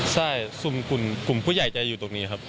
ใช่กลุ่มผู้ใหญ่จะอยู่ตรงนี้ครับ